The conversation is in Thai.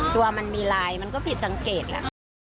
ตัวมันมีลายมันก็ผิดสังเกตแหละ